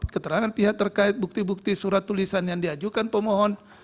keterangan pihak terkait bukti bukti surat tulisan yang diajukan pemohon